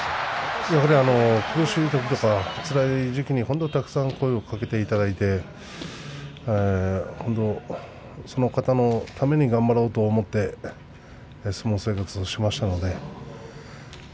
苦しいときとかつらいときにたくさん声をかけていただいてその方のために頑張ろうと思って相撲生活をしていました。